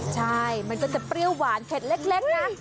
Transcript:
ใช่มันก็จะเปรี้ยวหวานเผ็ดเล็กนะ